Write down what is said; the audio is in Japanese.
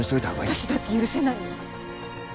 私だって許せないよ。